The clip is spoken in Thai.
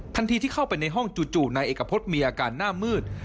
ที่เข้าไปในห้องจู่นายเอกพฤษมีอาการหน้ามืด